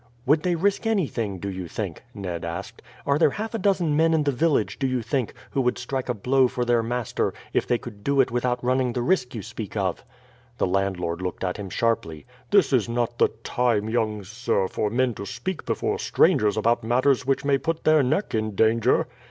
"Would they risk anything, do you think?" Ned asked. "Are there half a dozen men in the village, do you think, who would strike a blow for their master, if they could do it without running the risk you speak of?" The landlord looked at him sharply. "This is not the time, young sir, for men to speak before strangers about matters which may put their neck in danger."